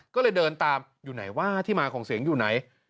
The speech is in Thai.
ก็เลยเดินตามอยู่ไหนว่าที่มาของเสียงอยู่ไหน